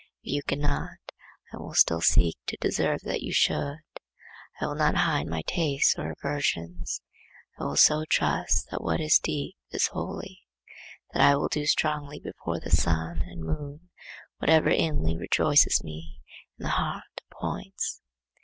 If you cannot, I will still seek to deserve that you should. I will not hide my tastes or aversions. I will so trust that what is deep is holy, that I will do strongly before the sun and moon whatever inly rejoices me and the heart appoints.